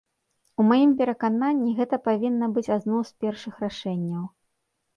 У маім перакананні, гэта павінна быць адно з першых рашэнняў.